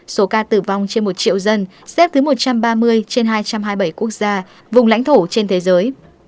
số ca tử vong trên một triệu dân xếp thứ một trăm ba mươi trên hai trăm hai mươi bảy quốc gia vùng lãnh thổ trên thế giới